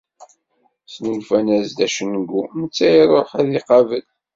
Snulfan-as-d acengu, netta iṛuḥ ad t-iqabel.